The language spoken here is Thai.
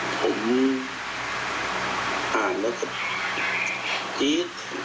ผมอ่านแล้วก็ดี